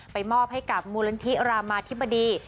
มอบให้กับมูลนิธิรามาธิบดี